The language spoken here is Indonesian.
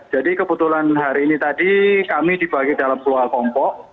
jadi kebetulan hari ini tadi kami dibagi dalam pulau kompok